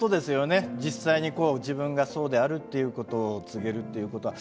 実際に自分がそうであるっていうことを告げるっていうことは。